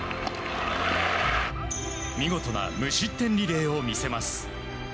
見事な無失点リレーを見せます。